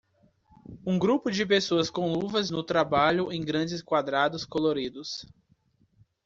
Um grupo de pessoas com luvas no trabalho em grandes quadrados coloridos.